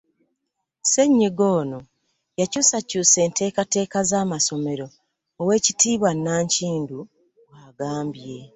Ssennyiga ono, yakyusakyusa enteekateeka z'amasomero, Oweekitiibwa Nankindu bw'agambye.